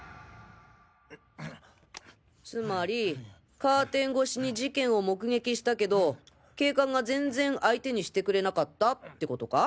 現在つまりカーテン越しに事件を目撃したけど警官が全然相手にしてくれなかったって事か？